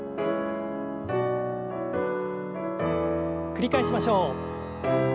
繰り返しましょう。